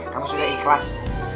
kamu sudah ikhlas